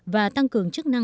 và tăng cường chức năng